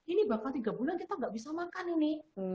ini bapak tiga bulan kita gak bisa makan ini